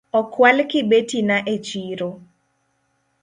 Okwal kibeti na e chiro